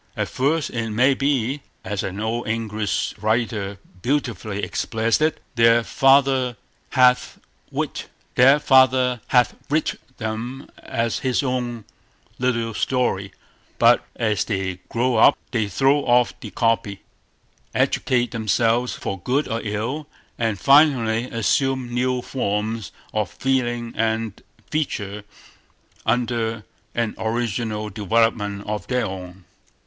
At first it may be, as an old English writer beautifully expresses it, "their father hath writ them as his own little story", but as they grow up they throw off the copy, educate themselves for good or ill, and finally assume new forms of feeling and feature under an original development of their own.